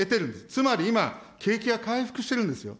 つまり今景気が回復してるんですよ。